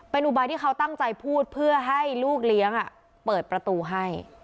เป็นอุบายที่เขาตั้งใจพูดเพื่อให้ลูกเลี้ยงเปิดประตูให้